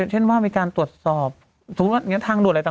ใช่ครับโครงการเริ่มมาแล้ว